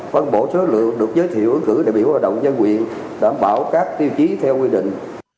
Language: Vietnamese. phân bổ số lượng được giới thiệu ứng cử đại biểu hội đồng nhân quyền đảm bảo các tiêu chí theo quy định